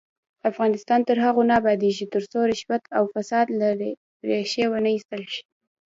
افغانستان تر هغو نه ابادیږي، ترڅو رشوت او فساد له ریښې ونه ایستل شي.